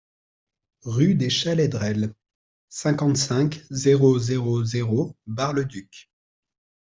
Rue des Chalaidrelles, cinquante-cinq, zéro zéro zéro Bar-le-Duc